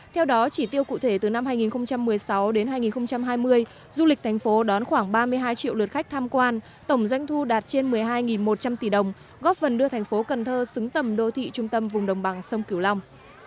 theo đó chỉ tiêu cụ thể từ năm hai nghìn một mươi sáu đến hai nghìn hai mươi du lịch thành phố đón khoảng ba mươi hai triệu lượt khách tham quan tổng doanh thu đạt trên một mươi hai một trăm linh tỷ đồng góp phần đưa thành phố cần thơ xứng tầm đô thị trung tâm vùng đồng bằng sông cửu long